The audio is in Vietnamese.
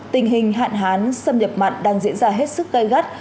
tình hình hạn hán xâm nhập mặn đang diễn ra hết sức gây gắt